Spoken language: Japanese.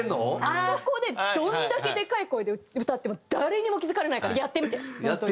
あそこでどんだけでかい声で歌っても誰にも気付かれないからやってみて。